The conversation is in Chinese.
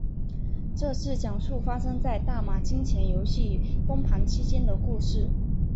这是讲述发生在大马金钱游戏崩盘期间的故事。